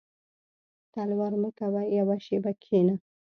•تلوار مه کوه یو شېبه کښېنه.